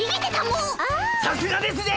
さすがですぜ！